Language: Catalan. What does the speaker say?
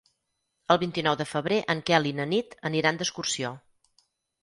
El vint-i-nou de febrer en Quel i na Nit aniran d'excursió.